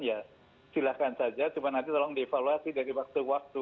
ya silahkan saja cuma nanti tolong dievaluasi dari waktu ke waktu